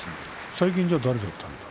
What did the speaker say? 最近だと誰だった？